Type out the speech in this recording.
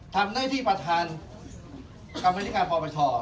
ทำหน้าที่ประธานกรรมนิการปปช